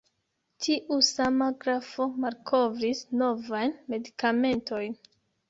Tiu sama grafo malkovris novajn medikamentojn.